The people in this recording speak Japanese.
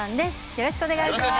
よろしくお願いします。